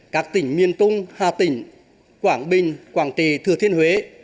các tỉnh miền tung hà tỉnh quảng bình quảng tỳ thừa thiên huế